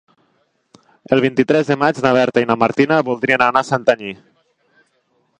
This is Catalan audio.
El vint-i-tres de maig na Berta i na Martina voldrien anar a Santanyí.